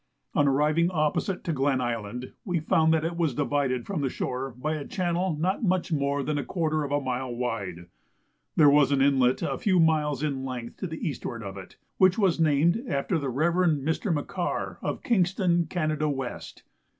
On arriving opposite to Glen Island, we found that it was divided from the shore by a channel not much more than a quarter of a mile wide. There was an inlet a few miles in length to the eastward of it, which was named after the Rev. Mr. Mackar of Kingston, Canada West.